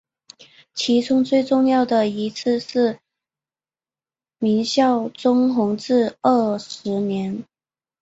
其中最重要的一次是明孝宗弘治十二年。